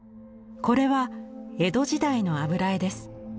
これは江戸時代の油絵です。